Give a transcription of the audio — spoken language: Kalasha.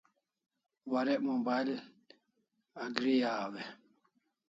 Warek mobile Agri aw e?